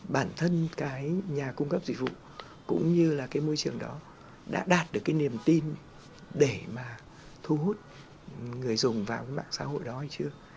bản thân cái nhà cung cấp dịch vụ cũng như là cái môi trường đó đã đạt được cái niềm tin để mà thu hút người dùng vào cái mạng xã hội đó hay chưa